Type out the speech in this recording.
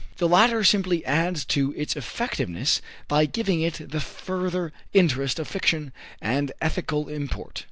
The latter simply adds to its effectiveness by giving it the further interest of "fiction" and ethical import.